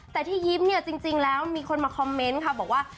แต่ที่ยิ้มเนี่ยจริงแล้วมีคนมาคอมเมนต์ค่ะบอกว่า